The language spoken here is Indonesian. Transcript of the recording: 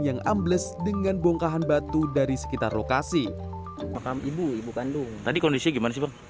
yang ambles dengan bongkahan batu dari sekitar lokasi makam ibu ibu kandung tadi kondisinya gimana sih bang